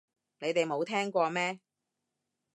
你哋冇聽過咩